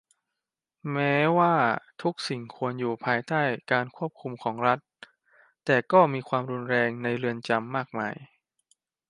แม้ว่าทุกสิ่งควรอยู่ภายใต้การควบคุมของรัฐ แต่ก็มีความรุนแรงในเรือนจำมากมาย